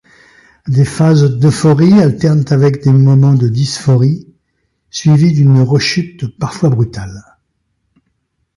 Des phases d'euphorie alternent avec des moments de dysphorie, suivies d'une rechute parfois brutale.